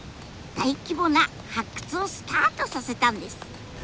大規模な発掘をスタートさせたんです。